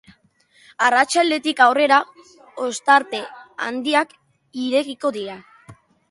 Arratsaldetik aurrera ostarte handiak irekiko dira.